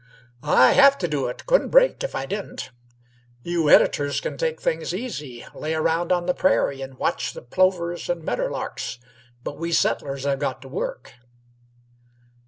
"I have t' do it. Couldn't break if I didn't. You editors c'n take things easy, lay around on the prairie, and watch the plovers and medderlarks; but we settlers have got to work."